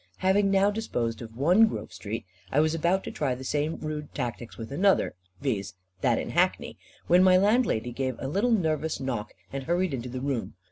Having now disposed of one Grove Street, I was about to try the same rude tactics with another, viz. that in Hackney; when my landlady gave a little nervous knock, and hurried into the room.